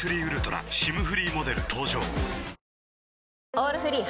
「オールフリー」